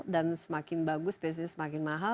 dan semakin bagus biasanya semakin mahal